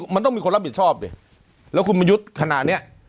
มันต้องมีคนรับผิดชอบดิแล้วคุณประยุทธ์ขณะเนี้ย